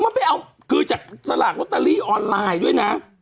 มันไม่เอาคือจะสลากรถทารี่ออนไลน์ด้วยนะ